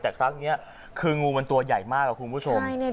แต่ครั้งนี้คืองูมันตัวใหญ่มากครับคุณผู้ชม